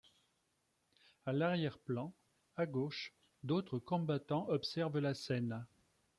À l'arrière-plan, à gauche, d'autres combattants observent la scène.